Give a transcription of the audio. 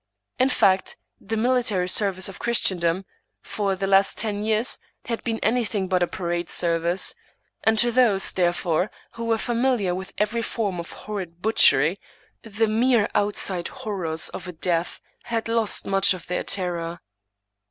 In fact, the military service of Christendom, for the last ten years, had been anything but a parade service ; and to those, therefore, who were familiar with every form of horrid butchery, the mere outside horrors of death had lost much of their terror.